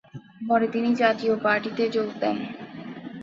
পরে তিনি জাতীয় পার্টিতে যোগ দেন।